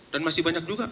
dan masih banyak juga